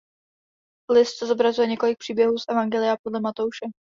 List zobrazuje několik příběhů z evangelia podle Matouše.